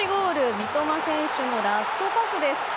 三笘選手のラストパスです。